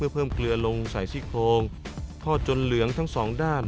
เพิ่มเกลือลงใส่ซี่โครงทอดจนเหลืองทั้งสองด้าน